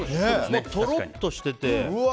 とろっとしてて。